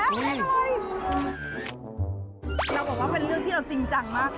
เราบอกว่าเป็นเรื่องที่เราจริงจังมาก